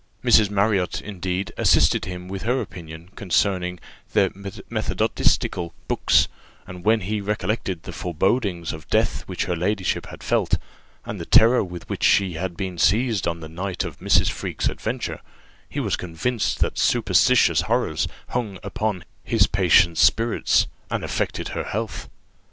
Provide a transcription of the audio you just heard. Mrs. Marriott, indeed, assisted him with her opinion concerning the methodistical books; and when he recollected the forebodings of death which her ladyship had felt, and the terror with which she had been seized on the night of Mrs. Freke's adventure, he was convinced that superstitious horrors hung upon his patient's spirits, and affected her health.